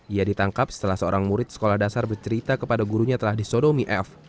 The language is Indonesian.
ia ditangkap setelah seorang murid sekolah dasar bercerita kepada gurunya telah disodomi f